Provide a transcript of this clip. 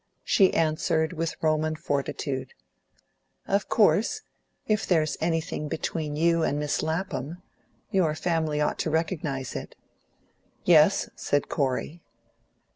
She answered with Roman fortitude: "Of course, if there's anything between you and Miss Lapham, your family ought to recognise it." "Yes," said Corey.